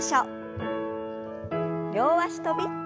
両脚跳び。